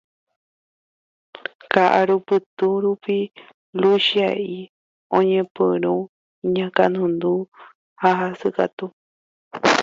ka'arupytũ rupi Luchia'i oñepyrũ iñakãnundu ha hasykatu.